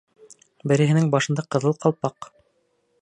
Береһенең башында ҡыҙыл ҡалпаҡ.